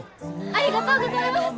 ありがとうございます！